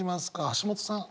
橋本さん。